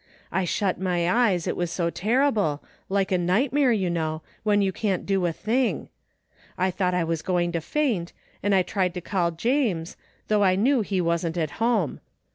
I shut my eyes, it was so terrible, like a nightmare, you know, when you can't do a thing. I thought I was going to faint, and I tried to call James, though I knew he wasn't at home.